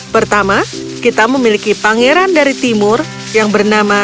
pertama kita memiliki pangeran dari timur yang bernama